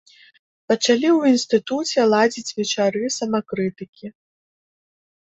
Пачалі ў інстытуце ладзіць вечары самакрытыкі.